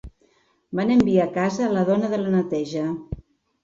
Van enviar a casa a la dona de la neteja.